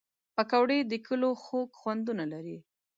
پکورې د کلیو خوږ خوندونه لري